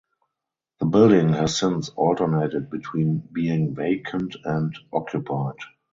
The building has since alternated between being vacant and occupied.